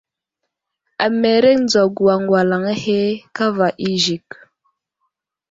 Amereŋ dzagu aŋgwalaŋ ahe kava i zik.